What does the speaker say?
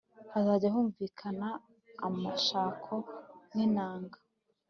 hazajya humvikana amashako n inanga